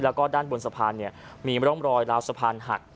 และสะพานบนมีร่องบร้อยล้างสะพานหัก